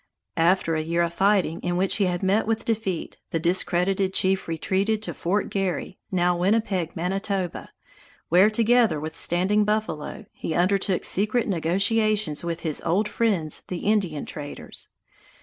After a year of fighting in which he had met with defeat, the discredited chief retreated to Fort Garry, now Winnipeg, Manitoba, where, together with Standing Buffalo, he undertook secret negotiations with his old friends the Indian traders.